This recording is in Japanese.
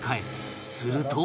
すると